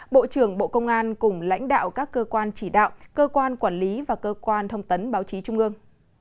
bộ trưởng bộ công an cùng lãnh đạo các cơ quan chỉ đạo cơ quan quản lý và cơ quan thông tấn báo chí trung ương